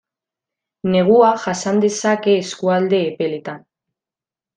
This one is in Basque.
Negua jasan dezake eskualde epeletan.